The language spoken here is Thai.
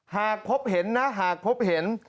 หากพบเห็นนะหากพบเห็น